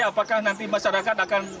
apakah nanti masyarakat akan